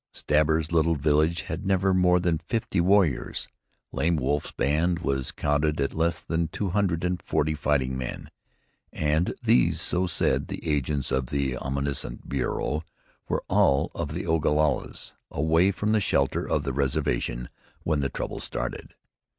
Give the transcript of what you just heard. Stabber's little village had never more than fifty warriors. Lame Wolf's band was counted at less than two hundred and forty fighting men, and these, so said the agents of the omniscient Bureau, were all the Ogalallas away from the shelter of the reservation when the trouble started.